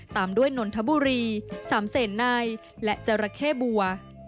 ตามด้วยนนทบุรี๓เศษในและจราเข้บัว